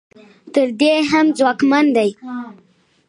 تر دې هم ځواکمن دي.